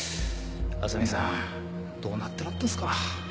浅見さんどうなってらってるんですか？